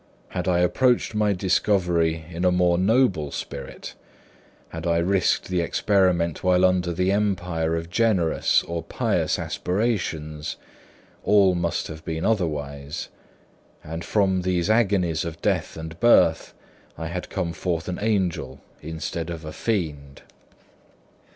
Had I approached my discovery in a more noble spirit, had I risked the experiment while under the empire of generous or pious aspirations, all must have been otherwise, and from these agonies of death and birth, I had come forth an angel instead of a fiend.